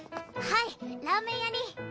はいラーメン屋に。